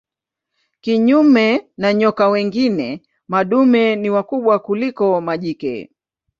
Kinyume na nyoka wengine madume ni wakubwa kuliko majike.